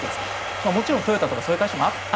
もちろんトヨタとかそういう会社もあるけれども。